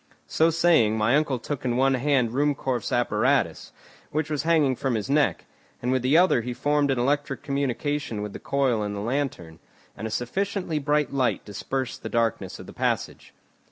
So saying, my uncle took in one hand Ruhmkorff's apparatus, which was hanging from his neck; and with the other he formed an electric communication with the coil in the lantern, and a sufficiently bright light dispersed the darkness of the passage.